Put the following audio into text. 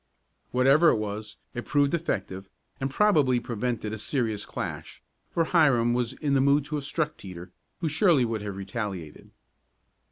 Whatever it was, it proved effective and probably prevented a serious clash, for Hiram was in the mood to have struck Teeter, who surely would have retaliated.